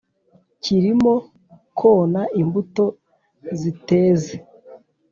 kirimo kona imbuto ziteze